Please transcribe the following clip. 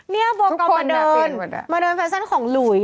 เนี่ยวงกรรมมาเดินมาเดินแฟชั่นของหลุย